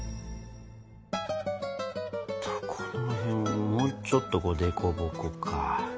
とこの辺をもうちょっと凸凹か。